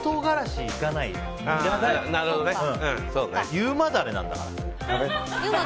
優馬ダレなんだから。